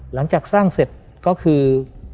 หลังจากสร้างเสร็จก็คือ